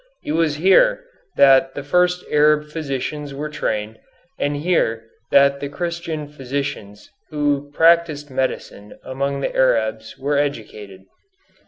It was here that the first Arab physicians were trained, and here that the Christian physicians who practised medicine among the Arabs were educated.